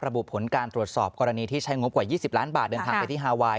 ผลการตรวจสอบกรณีที่ใช้งบกว่า๒๐ล้านบาทเดินทางไปที่ฮาไวน์